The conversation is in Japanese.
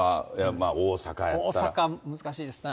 大阪、難しいですな。